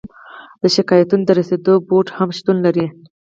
د شکایاتو ته د رسیدو بورد هم شتون لري.